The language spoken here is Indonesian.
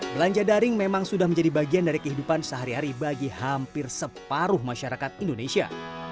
belanja daring memang sudah menjadi bagian dari kehidupan sehari hari bagi hampir separuh masyarakat indonesia